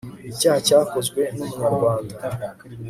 icyaha cyakozwe n umunyarwanda